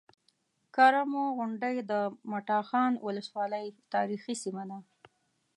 کرمو غونډۍ د مټاخان ولسوالۍ تاريخي سيمه ده